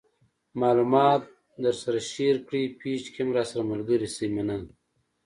معلومات د درسره شیر کړئ پیج کې هم راسره ملګري شئ مننه